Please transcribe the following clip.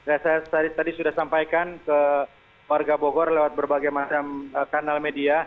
ya saya tadi sudah sampaikan ke warga bogor lewat berbagai macam kanal media